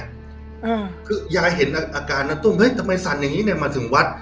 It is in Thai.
อ่าคือยายเห็นอาการณตุ้มเฮ้ยทำไมสั่นอย่างงี้เนี้ยมาถึงวัด